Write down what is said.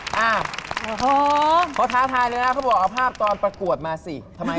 พวกถ้าถ่ายเลยนะเขาบอกเอาภาพตอนประกวดมาสิ